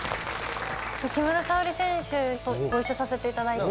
木村沙織選手とご一緒させていただいて。